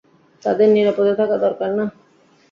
তাদের নিরাপদে থাকা দরকার না?